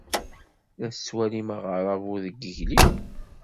La tettwalim aɣerrabu deg yigli?